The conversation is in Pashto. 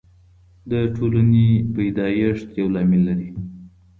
د ټولني پیدایښت یو لامل لري.